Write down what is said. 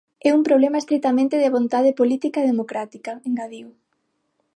É un problema estritamente de vontade política e democrática, engadiu.